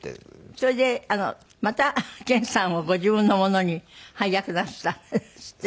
それでまた研さんをご自分のものに配役なすったんですって？